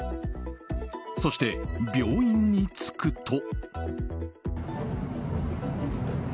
そして病院に着くと。